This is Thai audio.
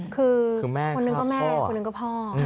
คือคนหนึ่งก็แม่คนหนึ่งก็พ่อ